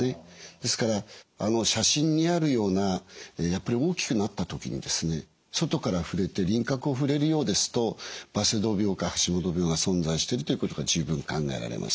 ですから写真にあるようなやっぱり大きくなった時にですね外から触れて輪郭を触れるようですとバセドウ病か橋本病が存在しているということが十分考えられます。